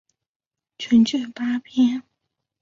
全卷八编。